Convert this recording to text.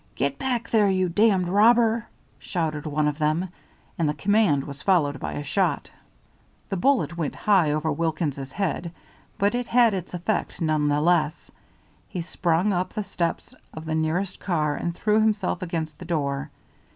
"Get back there, you damned robber!" shouted one of them, and the command was followed by a shot. The bullet went high over Wilkins's head, but it had its effect none the less. He sprang up the steps of the nearest car and threw himself against the door.